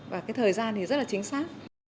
và cái thời gian thì rất là chính xác